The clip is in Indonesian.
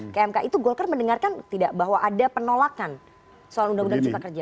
kmk itu golkar mendengarkan tidak bahwa ada penolakan soal undang undang cipta kerja